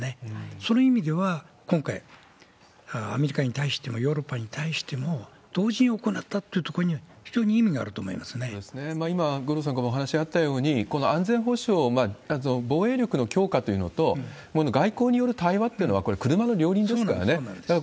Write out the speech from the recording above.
その意味では、今回、アメリカに対してもヨーロッパに対しても、同時に行ったということには、今、五郎さんからもお話あったように、この安全保障、防衛力の強化というのと、外交による対話っていうのは、これ、車の両輪ですからね。